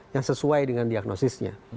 yang sesuai dengan diagnosisnya